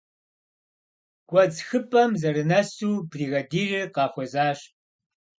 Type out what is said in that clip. Гуэдз хыпӀэм зэрынэсу, бригадирыр къахуэзащ.